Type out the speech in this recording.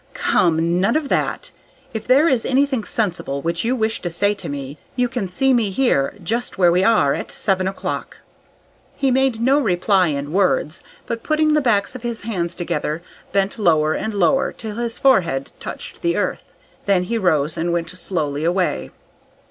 "Come, none of that. If there is anything sensible which you wish to say to me, you can see me here, just where we are, at seven o'clock." He made no reply in words, but, putting the backs of his hands together, bent lower and lower till his forehead touched the earth. Then he rose and went slowly away.